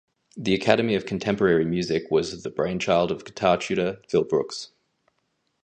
The Academy of Contemporary Music was the brainchild of guitar tutor Phil Brookes.